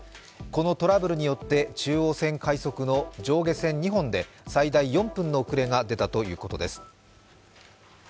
このトラブルによって、中央線快速の上下線２本で最大４分の遅れが出たということです。